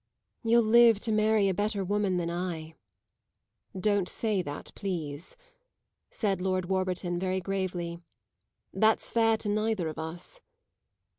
"You'll live to marry a better woman than I." "Don't say that, please," said Lord Warburton very gravely. "That's fair to neither of us."